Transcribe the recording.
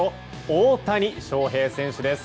大谷翔平選手です。